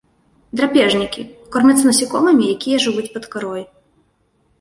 Драпежнікі, кормяцца насякомымі, якія жывуць пад карой.